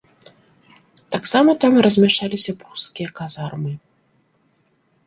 Таксама там размяшчаліся прускія казармы.